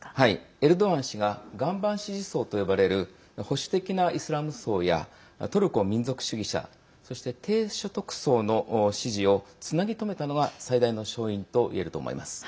エルドアン氏が岩盤支持層と呼ばれる保守的なイスラム層やトルコ民族主義者そして低所得者層の支持をつなぎ止めたのが最大の勝因といえると思います。